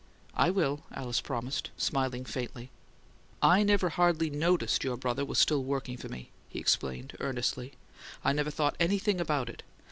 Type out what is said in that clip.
"I will," Alice promised, smiling faintly. "I never even hardly noticed your brother was still working for me," he explained, earnestly. "I never thought anything about it.